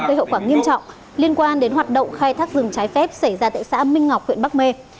gây hậu quả nghiêm trọng liên quan đến hoạt động khai thác rừng trái phép xảy ra tại xã minh ngọc huyện bắc mê